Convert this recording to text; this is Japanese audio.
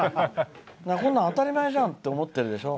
こんなの当たり前じゃんって思ってるでしょ。